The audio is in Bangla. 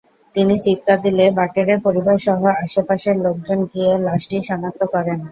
তিনি চিৎকার দিলে বাকেরের পরিবারসহ আশপাশের লোকজন গিয়ে লাশটি শনাক্ত করেন।